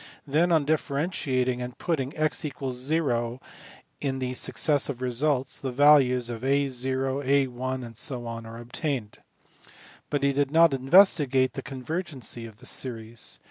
then on differentiating and putting x = Q in the successive results, the values of A Q , A 1J ... are obtained: but he did not investigate the convergency of the series.